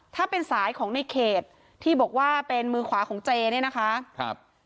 ถ้าเป็นสายของในเขตที่บอกว่าเป็นมือขวาของเจเนี่ยนะคะครับ